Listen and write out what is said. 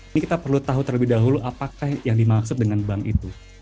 ini kita perlu tahu terlebih dahulu apakah yang dimaksud dengan bank itu